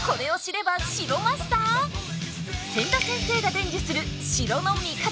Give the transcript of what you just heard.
千田先生が伝授する城の見方！